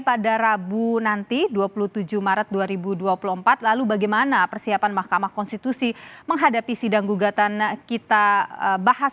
pada rabu nanti dua puluh tujuh maret dua ribu dua puluh empat lalu bagaimana persiapan mahkamah konstitusi menghadapi sidang gugatan kita bahas